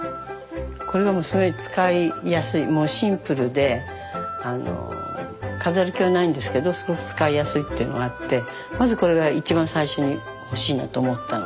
これがすごい使いやすいもうシンプルで飾り気はないんですけどすごく使いやすいっていうのがあってまずこれが一番最初に欲しいなと思ったの。